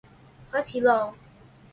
開始囉